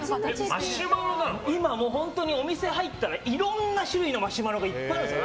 今、本当にお店入ったらいろんな種類のマシュマロがいっぱいあるんですよ。